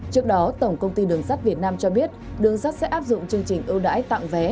trước đó tổng công ty đường sắt việt nam cho biết đường sắt sẽ áp dụng chương trình ưu đãi tặng vé